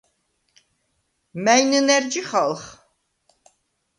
მა̈ჲ ნჷნა̈რ ჯიხალხ?